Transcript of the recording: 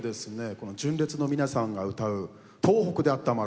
この純烈の皆さんが歌う「とうほくであったまろう」